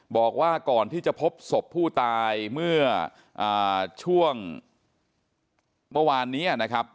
บอกว่าก่อนที่จะพบศพผู้ตายเมื่อช่วงเมื่อวานนี้นะครับ